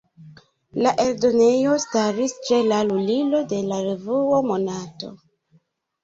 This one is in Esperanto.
La eldonejo staris ĉe la lulilo de la revuo "Monato".